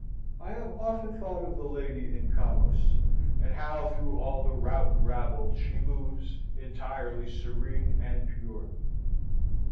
I have thought often of the lady in Comus, and how, through all the rout and rabble, she moves, entirely serene and pure.